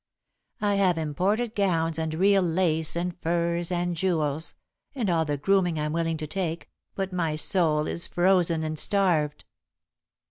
I have imported gowns and real lace and furs and jewels and all the grooming I'm willing to take, but my soul is frozen and starved.